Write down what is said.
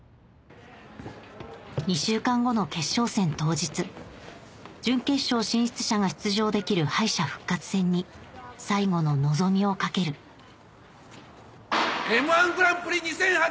２週間後の決勝戦当日準決勝進出者が出場できる敗者復活戦に最後の望みを懸ける『Ｍ−１グランプリ』２００８